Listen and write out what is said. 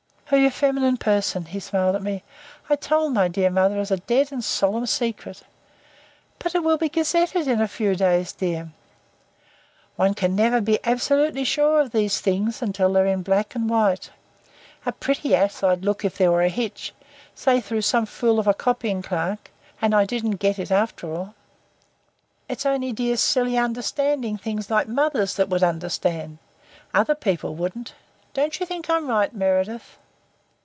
"Oh, you feminine person!" He smiled at me. "I told my dear old mother as a dead and solemn secret." "But it will be gazetted in a few days, dear." "One can never be absolutely sure of these things until they're in black and white. A pretty ass I'd look if there was a hitch say through some fool of a copying clerk and I didn't get it after all. It's only dear, silly understanding things like mothers that would understand. Other people wouldn't. Don't you think I'm right, Meredyth?"